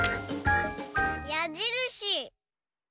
やじるし。